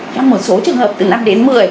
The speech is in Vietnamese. trong một số trường hợp từ năm đến một mươi